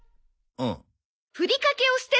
うん？